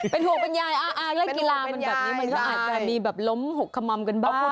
เป็นห่วงเป็นยายเล่นกีฬามันแบบนี้มันก็อาจจะมีแบบล้มหกขมัมกันบ้าง